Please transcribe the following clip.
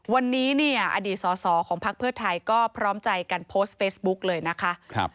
วันนี้เนี่ยอดีตสอสอของพักเพื่อไทยก็พร้อมใจกันโพสต์เฟซบุ๊กเลยนะคะ